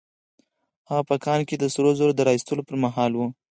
هغه په کان کې د سرو زرو د را ايستلو پر مهال وه.